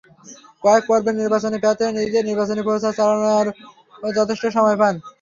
কয়েক পর্বের নির্বাচনে প্রার্থীরা নিজেদের নির্বাচনি প্রচার চালানোরও যথেষ্ট সময় পান।